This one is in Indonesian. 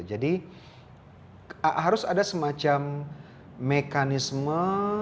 jadi harus ada semacam mekanisme